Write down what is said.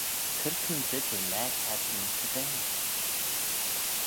Cur coontey jeh laa cadjin ayns dty vea.